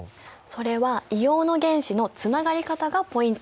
それは硫黄の原子のつながり方がポイント！